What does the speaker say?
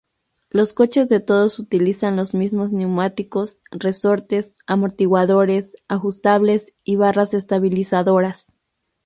Los coches de todos utilizan los mismos neumáticos, resortes, amortiguadores ajustables y barras estabilizadoras.